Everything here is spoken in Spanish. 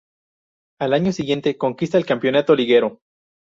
Al año siguiente conquista el campeonato liguero.